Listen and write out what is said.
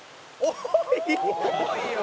「多いよ！」